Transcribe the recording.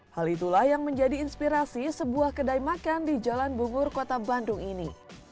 hal itulah yang menjadi inspirasi sebuah kedai makan di jalan bungur kota bandung ini